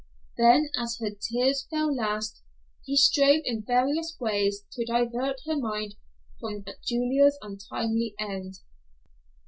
Then, as her tears fell fast, he strove in various way to divert her mind from Julia's untimely end.